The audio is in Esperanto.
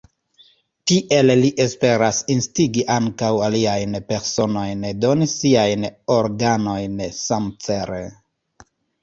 Tiel li esperas instigi ankaŭ aliajn personojn doni siajn organojn samcele.